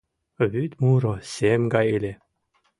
Вӱд муро сем гай ыле.